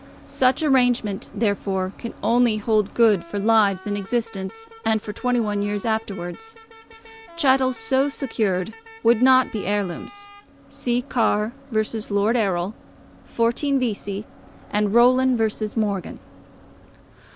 Such arrangement, therefore, can only hold good for lives in existence and for 21 years afterwards. Chattels so secured would not be heirlooms. See Carr v. Lord Errol, 14 Vesey, and Rowland v. Morgan.